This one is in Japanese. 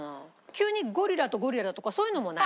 急にゴリラとゴリラとかそういうのもない？